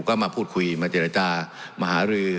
ก็มาพูดคุยมาเจรจามาหารือ